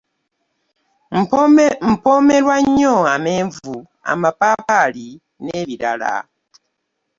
Mpomerwa nnyo ameenvu, amapapaali n'ebirala.